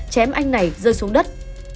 chém anh này rơi xuống đất